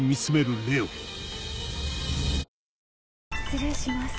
失礼します。